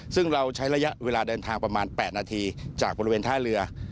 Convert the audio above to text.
ซึ่งเราใช้ระยะเวลาเดินทางประมาณ๘นาทีจากบริเวณท่าเรือ